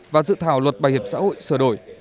và dự thảo luật bài hiệp xã hội sửa đổi